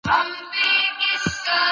زیار او هڅه د بریا راز دی.